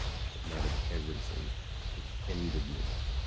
It mattered everything : it ended me.